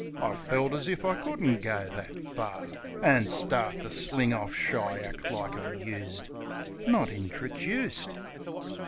I felt as if I couldn't go that fur, An' start to sling off chiack like I used ... Not intrajuiced!